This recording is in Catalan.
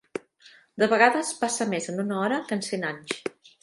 De vegades passa més en una hora que en cent anys.